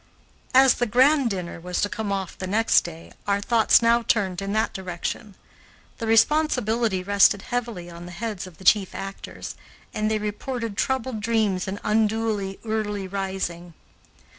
As the grand dinner was to come off the next day, our thoughts now turned in that direction. The responsibility rested heavily on the heads of the chief actors, and they reported troubled dreams and unduly early rising.